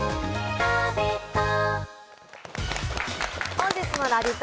本日のラヴィット！